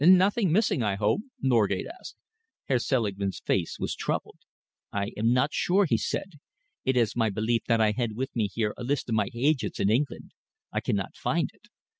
"Nothing missing, I hope?" Norgate asked. Herr Selingman's face was troubled. "I am not sure," he said. "It is my belief that I had with me here a list of my agents in England. I cannot find it.